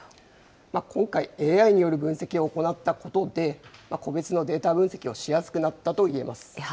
今回、ＡＩによる分析を行ったことで、個別のデータ分析をしやすくなったといえます。